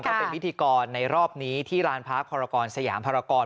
เขาเป็นพิธีกรในรอบนี้ที่ลานพักพรกรสยามภารกร